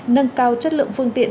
nâng cao chất lượng phương tiện